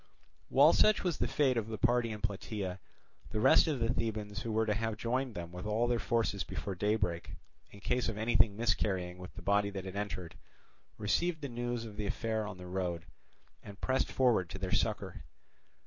While such was the fate of the party in Plataea, the rest of the Thebans who were to have joined them with all their forces before daybreak, in case of anything miscarrying with the body that had entered, received the news of the affair on the road, and pressed forward to their succour.